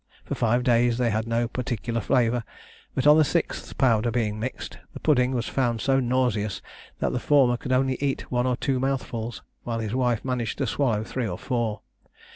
For five days, they had no particular flavour, but upon the sixth powder being mixed, the pudding was found so nauseous, that the former could only eat one or two mouthfuls, while his wife managed to swallow three or four.